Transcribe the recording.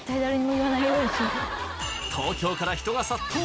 東京から人が殺到。